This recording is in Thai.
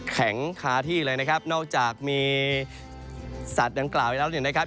คาที่เลยนะครับนอกจากมีสัตว์ดังกล่าวไปแล้วเนี่ยนะครับ